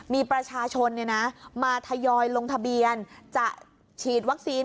มีประชาชนมาทยอยลงทะเบียนจะฉีดวัคซีน